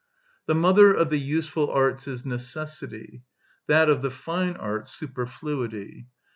The mother of the useful arts is necessity; that of the fine arts superfluity.